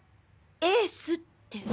エースって。